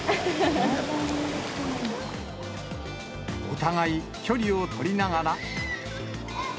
お互い、距離を取りながら。